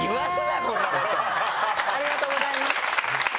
ありがとうございます。